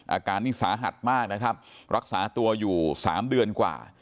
อาการนี่สาหัสมากนะครับรักษาตัวอยู่๓เดือนกว่า